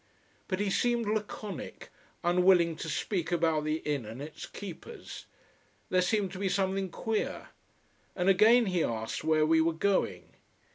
But he seemed laconic, unwilling to speak about the inn and its keepers. There seemed to be something queer. And again he asked where we were going.